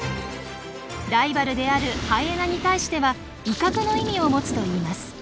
ライバルであるハイエナに対しては威嚇の意味を持つといいます。